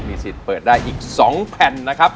สิทธิ์เปิดได้อีก๒แผ่นนะครับ